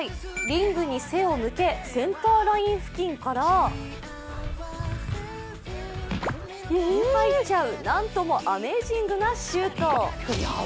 リングに背を向け、センターライン付近から入っちゃう、なんともアメージングなシュート。